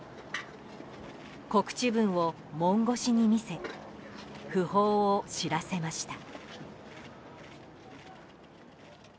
告知文を門越しに見せ訃報を知らせました。